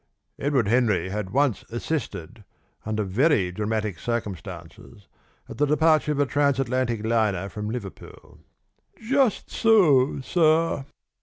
Edward Henry had once assisted, under very dramatic circumstances, at the departure of a transatlantic liner from Liverpool. "Just so, sir!"